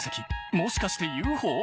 もしかしてＵＦＯ？